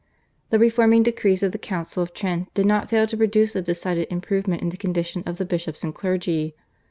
The reforming decrees of the Council of Trent did not fail to produce a decided improvement in the condition of the bishops and clergy.